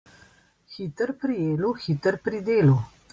Hiter pri jelu, hiter pri delu.